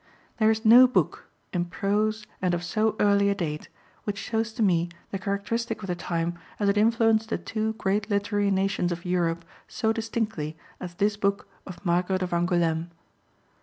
There is no book, in prose and of so early a date, which shows to me the characteristic of the time as it influenced the two great literary nations of Europe so distinctly as this book of Margaret of Angoulême.